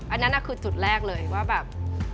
อันนั้นคือจุดแรกเลยว่าแบบ